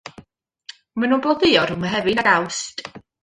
Maen nhw'n blodeuo rhwng Mehefin ag Awst.